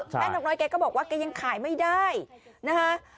นกน้อยแกก็บอกว่าแกยังขายไม่ได้นะคะ